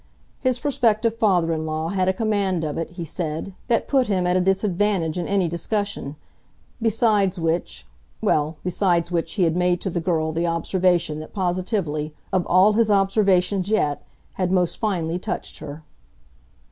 His prospective father in law had a command of it, he said, that put him at a disadvantage in any discussion; besides which well, besides which he had made to the girl the observation that positively, of all his observations yet, had most finely touched her.